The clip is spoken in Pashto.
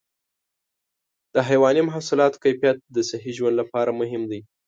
د حيواني محصولاتو کیفیت د صحي ژوند لپاره مهم دی.